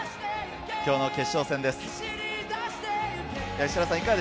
今日の決勝戦です。